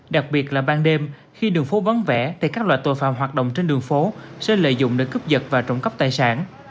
đặc biệt là ban đêm khi đường phố vắng vẻ thì các loại tội phạm hoạt động trên đường phố sẽ lợi dụng để cướp vật và trộm cắp tài sản